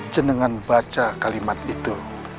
jenengan baca kalimat itu